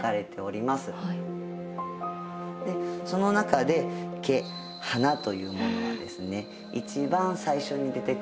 でその中で華花というものはですね一番最初に出てくるもの。